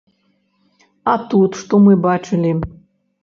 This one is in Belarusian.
А тут што мы бачылі?